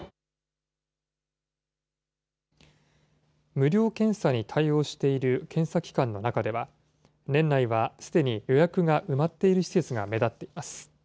無料検査に対応している検査機関の中では、年内はすでに予約が埋まっている施設が目立っています。